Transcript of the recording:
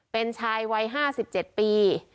เป็นชายวัย๕๗ปี